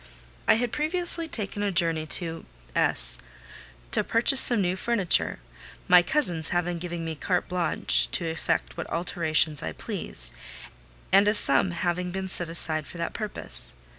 I had previously taken a journey to S—— to purchase some new furniture: my cousins having given me carte blanche to effect what alterations I pleased, and a sum having been set aside for that purpose.